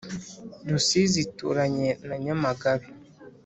Rusizi ituranye na nyamagabe